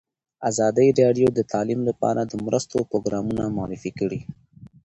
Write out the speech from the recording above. ازادي راډیو د تعلیم لپاره د مرستو پروګرامونه معرفي کړي.